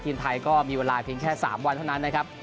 ทีมไทยก็มีเวลาเพียงแค่๓วันเท่านั้นนะครับ